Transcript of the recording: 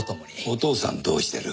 お父さんどうしてる？